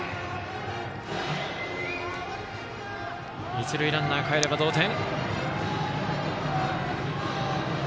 一塁ランナーかえれば同点。